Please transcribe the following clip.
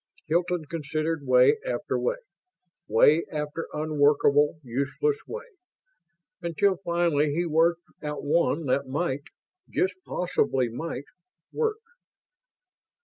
Hilton considered way after way. Way after unworkable, useless way. Until finally he worked out one that might just possibly might work.